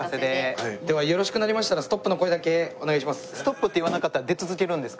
ではよろしくなりましたらストップの声だけお願いします。